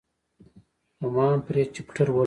خو ما هم پرې چپټر ولوست.